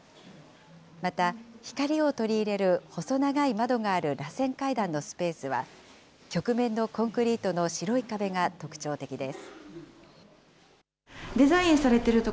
また、光を取り入れる細長い窓があるらせん階段のスペースは、曲面のコンクリートの白い壁が特徴的です。